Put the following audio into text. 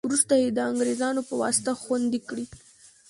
وروسته یې د انګرېزانو په واسطه خوندي کړې.